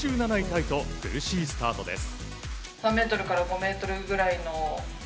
タイと苦しいスタートです。